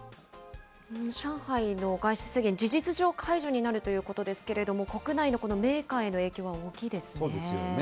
上海の外出制限、事実上解除になるということですけれども、国内のこのメーカーへの影響は大きいですね。